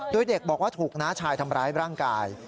โดยเด็กบอกว่าถูกน้าชายทำร้ายร่างกาย